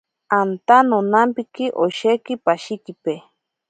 Anta nonampiki osheki pashikipe.